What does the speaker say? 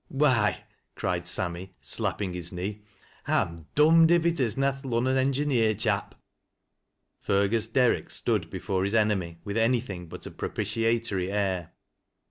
" Why !" cried Sammy, slapping his knee, " I'm dom'd if it is na th' Lunnon engineer chap." Fergus Derrick stood before his enemy with anything but a propitiatory air.